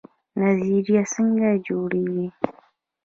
نظریه څنګه جوړیږي؟